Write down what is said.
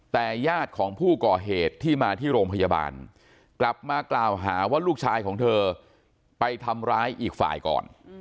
แต่ญาติของผู้ก่อเหตุที่มาที่โรงพยาบาลกลับมากล่าวหาว่าลูกชายของเธอไปทำร้ายอีกฝ่ายก่อน